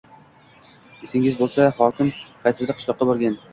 Esingizda boʻlsa, hokim qaysidir qishloqqa borgan